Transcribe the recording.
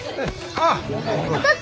あっ！